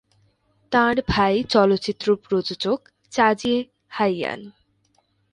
তাঁর ভাই চলচ্চিত্র প্রযোজক চা জি-হায়িয়ন।